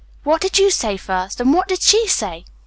What did you say first, and what did she say?"